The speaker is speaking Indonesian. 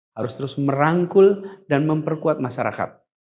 harus terus merangkul dan memperkuat masyarakat